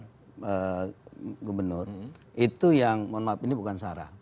yang benar benar itu yang mohon maaf ini bukan sarah